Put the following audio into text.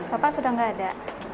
bapak sudah nggak ada